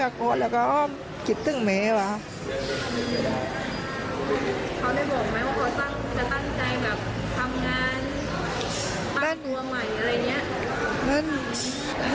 ตั้งประตูอัมมาศ์อะไรอย่างนี้